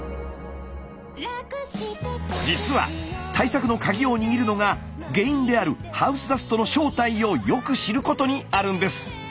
実は対策のカギを握るのが原因であるハウスダストの正体をよく知ることにあるんです。